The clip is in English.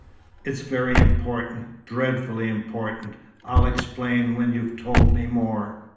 It's very important dreadfully important. I'll explain, when you've told me more.